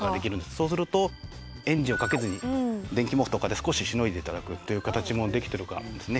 そうするとエンジンをかけずに電気毛布とかで少ししのいで頂くっていう形もできてるかですね。